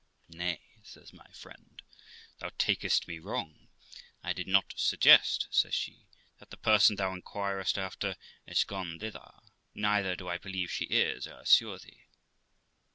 'Nay', says my friend, 'thou takest me wrong; I did not suggest', says she, 'that the person thou inquirest after is gone thither, neither do I believe she is, I assure thee.'